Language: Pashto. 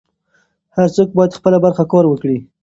هر څوک بايد خپله برخه کار وکړي.